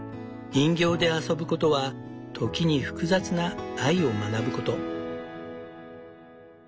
人形で遊ぶことは時に複雑な愛を学ぶこと。